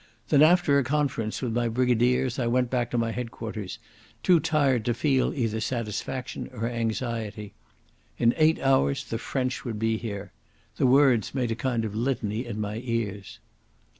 Then, after a conference with my brigadiers, I went back to my headquarters, too tired to feel either satisfaction or anxiety. In eight hours the French would be here. The words made a kind of litany in my ears.